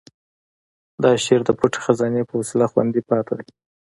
دا شعر د پټې خزانې په وسیله خوندي پاتې دی.